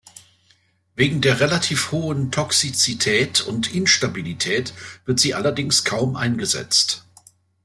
Wegen der relativ hohen Toxizität und Instabilität wird sie allerdings kaum eingesetzt.